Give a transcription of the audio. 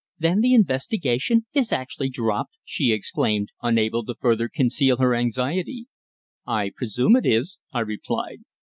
"Then the investigation is actually dropped?" she exclaimed, unable to further conceal her anxiety. "I presume it is," I replied.